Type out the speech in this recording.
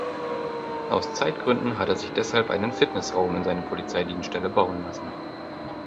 Aus Zeitgründen hat er sich deshalb einen Fitnessraum in seine Polizeidienststelle bauen lassen.